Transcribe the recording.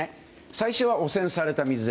最初は汚染された水。